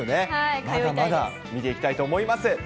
まだまだ見ていきたいと思います。